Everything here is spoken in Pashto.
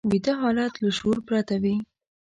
ویده حالت له شعور پرته وي